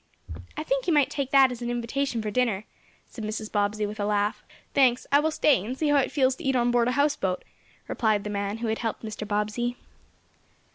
"I think you might take that as an invitation to dinner," said Mrs. Bobbsey, with a laugh. "Thanks, I will stay, and see how it feels to eat on board a houseboat," replied the man who had helped Mr. Bobbsey.